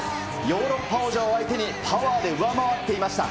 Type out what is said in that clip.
ヨーロッパ王者を相手に、パワーで上回っていました。